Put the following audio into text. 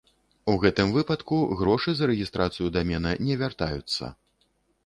У гэтым выпадку грошы за рэгістрацыю дамена не вяртаюцца.